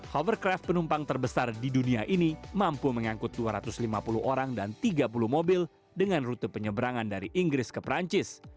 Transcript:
hovercraft penumpang terbesar di dunia ini mampu mengangkut dua ratus lima puluh orang dan tiga puluh mobil dengan rute penyeberangan dari inggris ke perancis